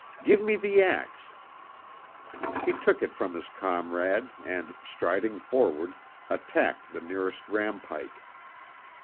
"Give me the axe." He took it from his comrade and, striding forward, attacked the nearest rampike.